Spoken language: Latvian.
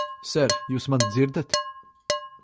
Ser, jūs mani dzirdat?